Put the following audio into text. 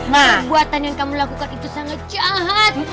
pembuatan yang kamu lakukan itu sangat jahat